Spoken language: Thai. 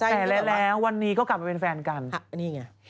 แต่แล้ววันนี้ก็กลับมาเป็นแฟนกันนี่ไง